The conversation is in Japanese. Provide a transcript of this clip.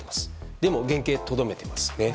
でも、原形をとどめていますね。